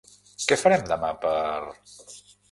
Què farem demà per...?